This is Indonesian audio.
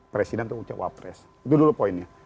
presiden untuk mencari cawapres itu dulu poinnya